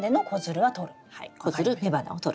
子づる雌花をとる。